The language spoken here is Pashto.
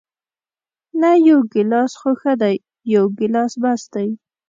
نه، یو ګیلاس خو ښه دی، یو ګیلاس بس دی.